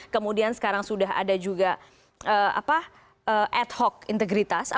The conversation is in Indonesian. kemudian sekarang sudah ada juga ad hoc integritas apakah itu sudah bisa kasih pemanis sedikit untuk pecinta sepak bola